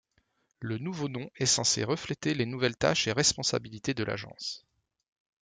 Le nouveau nom est censé refléter les nouvelles tâches et responsabilités de l'Agence.